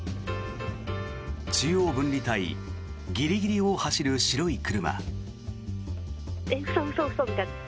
中央分離帯ギリギリを走る白い車。